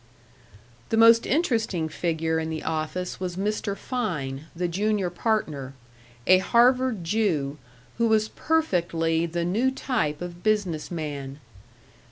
The most interesting figure in the office was Mr. Fein, the junior partner, a Harvard Jew, who was perfectly the new type of business man.